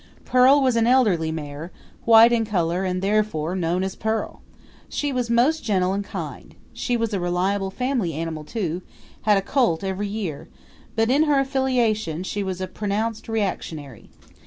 Pearl was an elderly mare, white in color and therefore known as Pearl. She was most gentle and kind. She was a reliable family animal too had a colt every year but in her affiliations she was a pronounced reactionary.